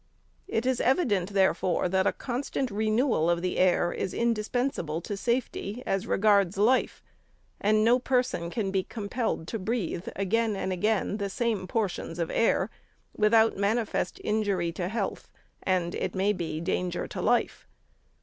It is evident, therefore, that a constant renewal of the air is indispen sable to safety as regards life, and no person can be compelled to breathe, again and again, the same portions of air. without manifest injury to health, and, it may be, danger to life.